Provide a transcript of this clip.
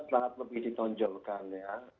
sangat lebih ditonjolkan ya